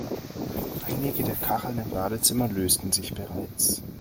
Einige der Kacheln im Badezimmer lösen sich bereits.